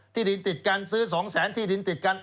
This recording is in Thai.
ที่ดินติดกันซื้อ๒แสนที่ดินติดกัน